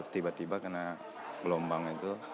tiba tiba kena gelombang